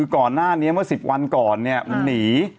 ก่อนหน้านี้เมื่อ๑๐วันก่อนมันหนี